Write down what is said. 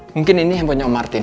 mungkin ini handphonenya om martin